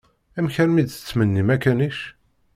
Amek armi d-tettmennim akanic?